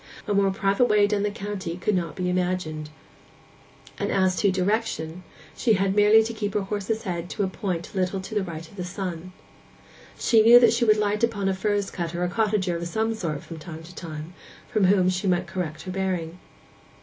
A more private way down the county could not be imagined; and as to direction, she had merely to keep her horse's head to a point a little to the right of the sun. She knew that she would light upon a furze cutter or cottager of some sort from time to time, from whom she might correct her bearing.